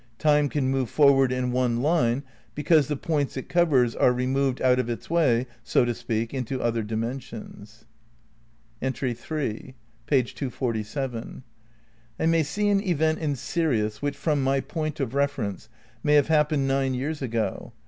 Time can move forward in one line because the points it covers are removed out of its way, so to speak, into other dimensions. Ill Page 247. I may see an event in Sirius which, from my point of reference, may have happened nine years ago.